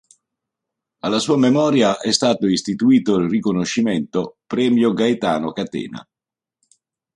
Alla sua memoria è stato istituito il riconoscimento "Premio Gaetano Catena".